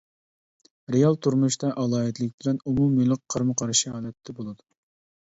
رېئال تۇرمۇشتا ئالاھىدىلىك بىلەن ئومۇمىيلىق قارىمۇقارشى ھالەتتە بولىدۇ.